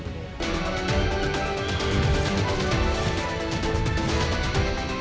ini untuk bikes penerbangan di pusat dan yuk logo nya